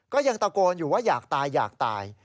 ก็ยังตะโกนอยู่ว่าอยากตายอยากตาย